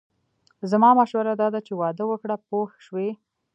زما مشوره داده چې واده وکړه پوه شوې!.